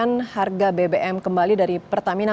mungkin ada penyesuaian harga bbm kembali dari pertamina